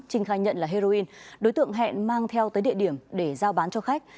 trinh khai nhận là heroin đối tượng hẹn mang theo tới địa điểm để giao bán cho khách